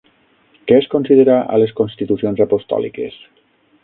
Què es considera a les Constitucions Apostòliques?